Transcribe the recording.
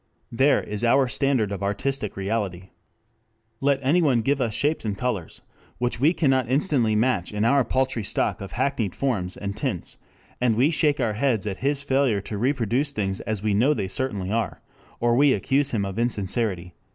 There is our standard of artistic reality. Let anyone give us shapes and colors which we cannot instantly match in our paltry stock of hackneyed forms and tints, and we shake our heads at his failure to reproduce things as we know they certainly are, or we accuse him of insincerity."